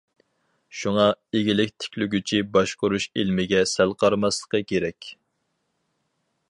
شۇڭا، ئىگىلىك تىكلىگۈچى باشقۇرۇش ئىلمىگە سەل قارىماسلىقى كېرەك.